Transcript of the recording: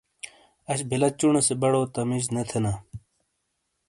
اش بِیلہ چُونے سے بڑو تمیز نے تھے نا ۔